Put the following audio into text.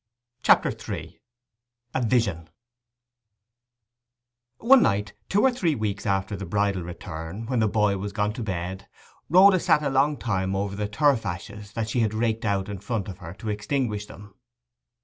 CHAPTER III—A VISION One night, two or three weeks after the bridal return, when the boy was gone to bed, Rhoda sat a long time over the turf ashes that she had raked out in front of her to extinguish them.